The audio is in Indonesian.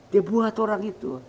dia buat orang itu